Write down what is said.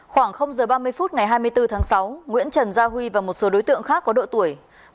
khoảng giờ ba mươi phút ngày hai mươi bốn tháng sáu nguyễn trần gia huy và một số đối tượng khác có độ tuổi